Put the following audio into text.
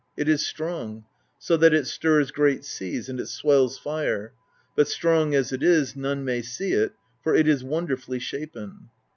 It is strong, so that it stirs great seas, and it swells fire; but, strong as it is, none may see it, for it is wonderfully shapen."